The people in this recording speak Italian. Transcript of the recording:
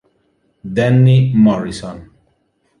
Denny Morrison